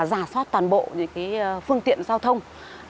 giả soát toàn bộ những phương tiện giao thông